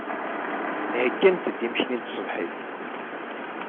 Heyyant-d imekli n tṣebḥit.